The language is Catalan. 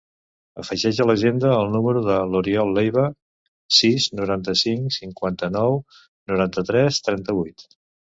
Afegeix a l'agenda el número de l'Oriol Leyva: sis, noranta-cinc, cinquanta-nou, noranta-tres, trenta-vuit.